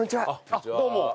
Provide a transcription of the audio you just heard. あっどうも。